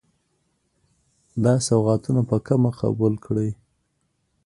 دا سوغاتونه په کمه قبول کړئ.